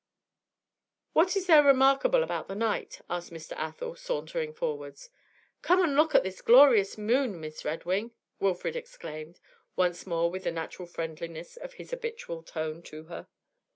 'What is there remarkable about the night?' asked Mr. Athel, sauntering forwards. 'Come and look at this glorious moon, Miss Redwing,' Wilfrid exclaimed, once more with the natural friendliness of his habitual tone to her.